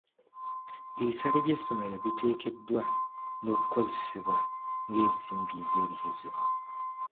Ebisale by'essomero biteekeddwa n'okukozesebwa ng'ensimbi ez'ebigezo.